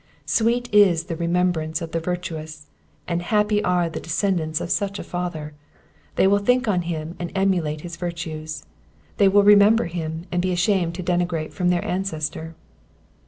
Sweet is the remembrance of the virtuous, and happy are the descendants of such a father! they will think on him and emulate his virtues they will remember him, and be ashamed to degenerate from their ancestor.